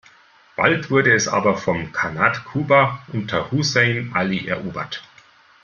Bald wurde es aber vom Khanat Quba unter Husayn `Ali erobert.